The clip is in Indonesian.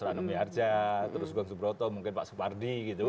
rano meharja terus gwang subroto mungkin pak supardi gitu